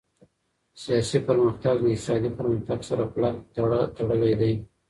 سياسي پرمختګ د اقتصادي پرمختګ سره کلک تړلی دی.